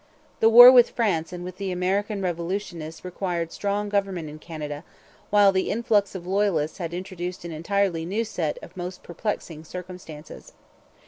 The war with France and with the American Revolutionists required strong government in Canada; while the influx of Loyalists had introduced an entirely new set of most perplexing circumstances.